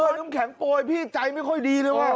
น้ำแข็งโปรยพี่ใจไม่ค่อยดีเลยว่ะ